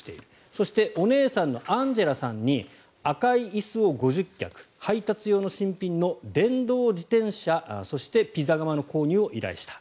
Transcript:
そしてお姉さんのアンジェラさんに赤い椅子を５０脚配達用の新品の電動自転車そして、ピザ窯の購入を依頼した。